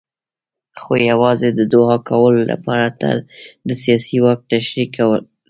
خو یوازې د دوعا کولو لپاره نه د سیاسي واک تشریح لپاره.